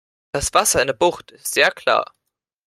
Das Wasser in der Bucht ist sehr klar.